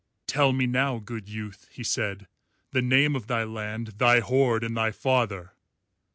"Tell me now, good youth," he said, "the name of thy land, thy horde, and thy father."